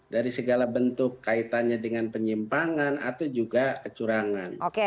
dari segala bentuk kaitannya dengan penyimpangan atau juga kecurangan